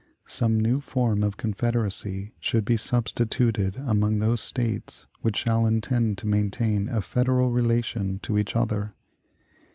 Some new form of confederacy should be substituted among those States which shall intend to maintain a federal relation to each other.